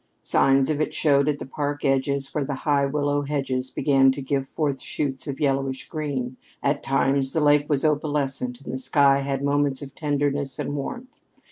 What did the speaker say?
Signs of it showed at the park edges, where the high willow hedges began to give forth shoots of yellowish green; at times the lake was opalescent and the sky had moments of tenderness and warmth.